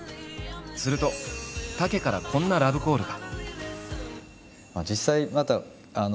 すると武からこんなラブコールが。